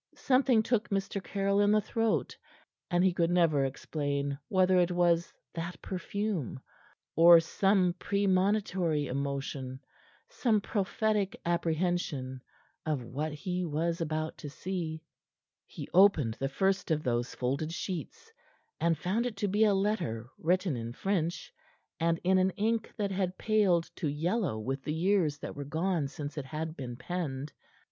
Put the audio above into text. Something took Mr. Caryll in the throat, and he could never explain whether it was that perfume or some premonitory emotion, some prophetic apprehension of what he was about to see. He opened the first of those folded sheets, and found it to be a letter written in French and in an ink that had paled to yellow with the years that were gone since it had been penned.